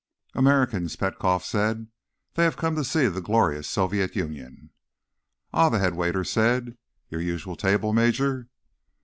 "Americans," Petkoff said. "They have come to see the glorious Soviet Union." "Ah," the headwaiter said. "Your usual table, Major?"